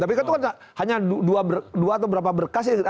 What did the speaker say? tapi kan itu kan hanya dua atau berapa berkas ya